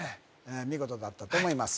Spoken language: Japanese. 見事だったと思います